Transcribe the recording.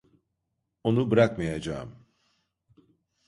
Onu bırakmayacağım.